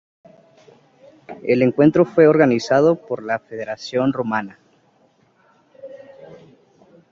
El encuentro fue organizado por la Federación Rumana.